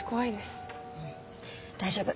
うん大丈夫。